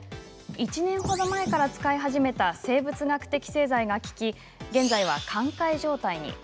１年ほど前から使い始めた生物学的製剤が効き現在は寛解状態に。